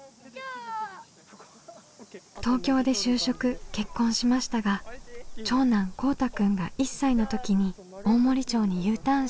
東京で就職結婚しましたが長男こうたくんが１歳の時に大森町にＵターンしました。